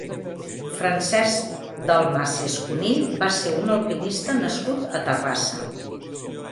Francesc Dalmases Cunill va ser un alpinista nascut a Terrassa.